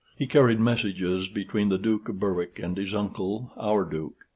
He carried messages between the Duke of Berwick and his uncle, our Duke.